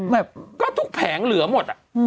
แบบก็ทุกแผงเหลือหมดอะ